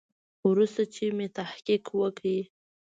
وروسته چې مې تحقیق وکړ.